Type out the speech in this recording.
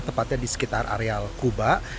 tepatnya di sekitar areal kuba